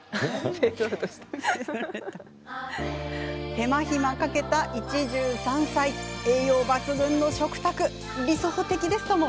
手間暇かけた、一汁三菜栄養抜群の食卓理想的ですとも。